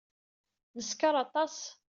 Neskeṛ aṭas.